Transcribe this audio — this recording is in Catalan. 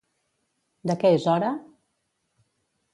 De què és hora?